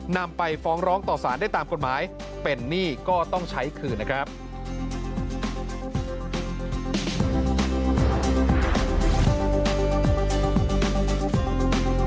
นำไปฟ้องร้องต่อสารได้ตามกฎหมายเป็นหนี้ก็ต้องใช้คืนนะครับ